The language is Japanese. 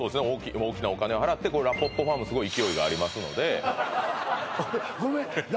大きなお金を払ってらぽっぽファームすごい勢いがありますのでごめんら